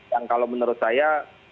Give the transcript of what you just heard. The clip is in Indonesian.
yang kalau menurut saya